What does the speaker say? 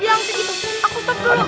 yang dikit tuh